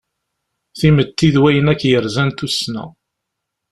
Timetti d wayen akk yerzan tussna.